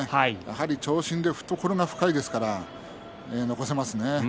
長身で懐が深いですから残せましたね。